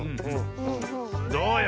どうよ？